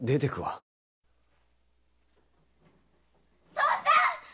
父ちゃん‼